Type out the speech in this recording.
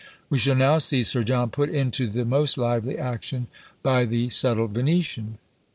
We shall now see Sir John put into the most lively action by the subtle Venetian.